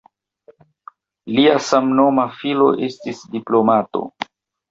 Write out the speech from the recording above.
Lia samnoma filo estis diplomato.